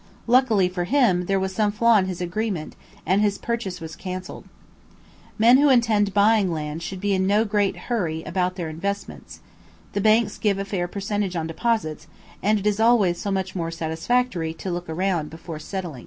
Luckily for him, there was some flaw in his agreement, and his purchase was cancelled. Men who intend buying land should be in no great hurry about their investments; the banks give a fair percentage on deposits, and it is always so much more satisfactory to look around before settling.